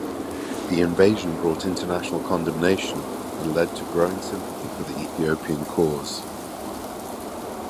The invasion brought international condemnation and led to growing sympathy for the Ethiopian cause.